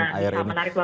benar menarik banget